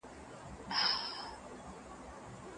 د جبري حالت درملنه آزادي ده.